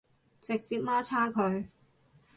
直接媽叉佢